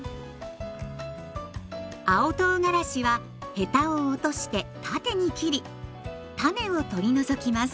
青とうがらしはヘタを落として縦に切り種を取り除きます。